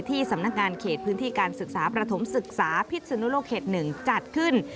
สำนักงานเขตพื้นที่การศึกษาประถมศึกษาพิศนุโลกเขต๑จัดขึ้น